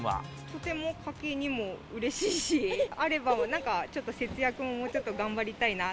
とても家計にもうれしいし、あればなんか、ちょっと節約ももうちょっと頑張りたいな。